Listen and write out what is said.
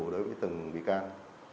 đối với từng bị can